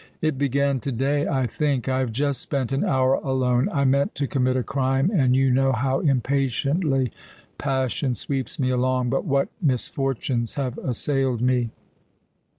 "It began to day, I think. I have just spent an hour alone. I meant to commit a crime, and you know how impatiently passion sweeps me along. But what misfortunes have assailed me!